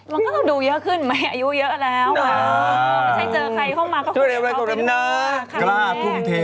มันก็ต้องดูเยอะขึ้นไหมอายุเยอะก็แล้วถ้าเจอใครเข้ามาก็ควรจะเอาไปดูว่าใครแน่